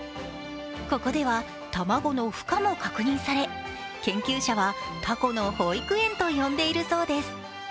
ここでは卵のふ化も確認され、研究者は、たこの保育園と呼んでいるそうです。